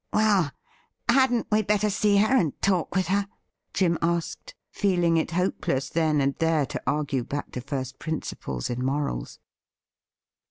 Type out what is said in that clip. ' Well, hadn't we better see her and talk with her ? Jim asked, feeling it hopeless then and there to argue back to first principles in morals.